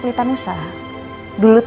dulu aku hampir jadi dosen junior disana